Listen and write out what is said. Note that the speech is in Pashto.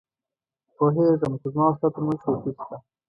پوهېږم، خو زما او ستا ترمنځ توپیر شته.